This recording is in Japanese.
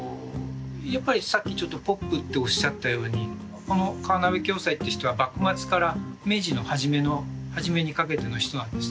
やっぱりさっきちょっとポップっておっしゃったようにこの河鍋暁斎って人は幕末から明治の初めにかけての人なんですね。